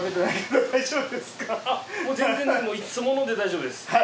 全然いつもので大丈夫です。